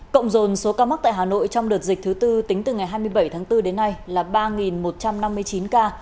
cộng dồn số ca mắc tại hà nội trong đợt dịch thứ tư tính từ ngày hai mươi bảy tháng bốn đến nay là ba một trăm năm mươi chín ca